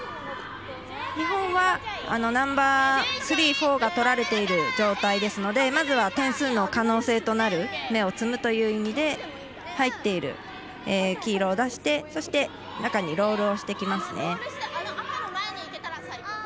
日本はナンバースリー、フォーがとられている状態ですのでまずは、点数の可能性となる芽を摘むという意味で入っている黄色を出してそして、中にロールをしてきます。